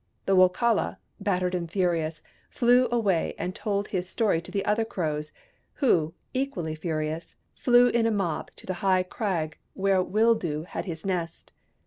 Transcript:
The Wokala, battered and furious, flew away and told his story to the other Crows ; who, equally furious, flew in a mob to the high crag where Wildoo had his nest.